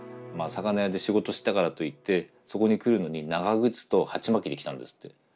まあ魚屋で仕事してたからといってそこに来るのに長靴と鉢巻きで来たんですって。